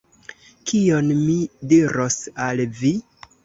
kion mi diros al vi?